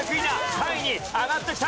３位に上がってきた！